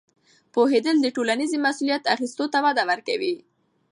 پوهېدل د ټولنیزې مسؤلیت اخیستلو ته وده ورکوي.